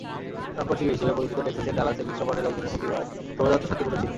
রক্ষণশীল হিসেবে পরিচিত টেক্সাসের ডালাসে মিশ্রবর্ণের লোকজনের প্রতিবাদ শোভাযাত্রা শান্তিপূর্ণ ছিল।